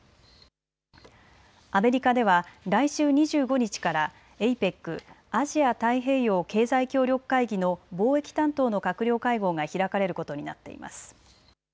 アメリカでは来週２５日からＡＰＥＣ・アジア太平洋経済協力会議の貿易担当の閣僚会合が開かれることになっています。